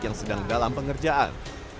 yang sedang dalam pengerjaan